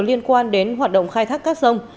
liên quan đến hoạt động khai thác cát sông